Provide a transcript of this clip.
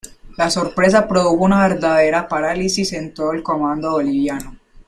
La sorpresa produjo una verdadera parálisis en todo el comando boliviano.